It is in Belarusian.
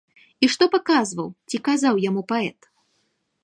І што паказваў ці казаў яму паэт?